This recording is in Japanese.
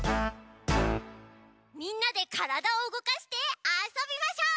みんなでからだをうごかしてあそびましょう！